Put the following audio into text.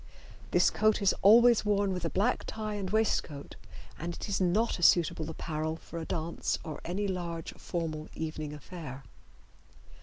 This coat is always worn with a black tie and waistcoat, and it is not a suitable apparel for a dance or any large formal evening affair.